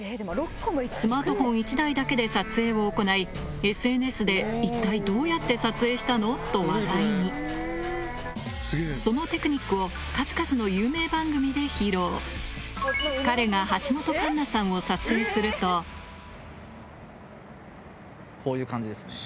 スマートフォン１台だけで撮影を行いＳＮＳで「一体どうやって撮影したの？」と話題にそのテクニックを数々の有名番組で披露彼が橋本環奈さんを撮影するとこういう感じですね。